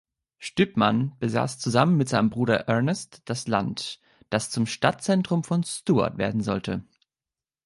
Stypmann besaß zusammen mit seinem Bruder Ernest das Land, das zum Stadtzentrum von Stuart werden sollte.